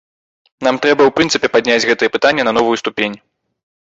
Нам трэба ў прынцыпе падняць гэтае пытанне на новую ступень.